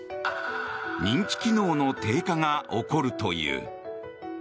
認知機能の低下が起こるという。